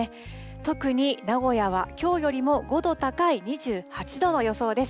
特に、名古屋はきょうよりも５度高い２８度の予想です。